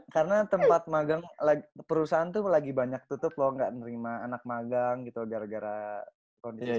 karena tempat magang perusahaan tuh lagi banyak tutup loh nggak nerima anak magang gitu gara gara kondisi sekarang